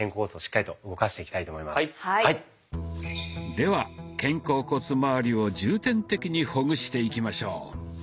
では肩甲骨まわりを重点的にほぐしていきましょう。